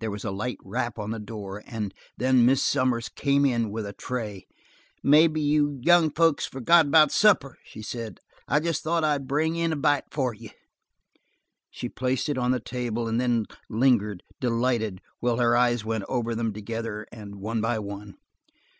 There was a light rap on the door, and then Mrs. Sommers came in with a tray. "Maybe you young folks forgot about supper," she said. "I just thought I'd bring in a bite for you." She placed it on the table, and then lingered, delighted, while her eyes went over them together and one by one.